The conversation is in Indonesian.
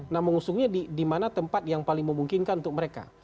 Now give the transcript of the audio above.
nah mengusungnya di mana tempat yang paling memungkinkan untuk mereka